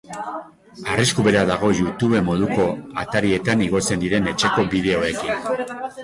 Arrisku bera dago youtube moduko atarietan igotzen diren etxeko bideoekin.